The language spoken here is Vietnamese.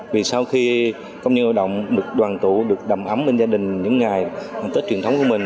vì sau khi công nhân lao động được đoàn tụ được đầm ấm bên gia đình những ngày tết truyền thống của mình